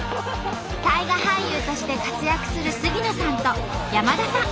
大河俳優として活躍する杉野さんと山田さん。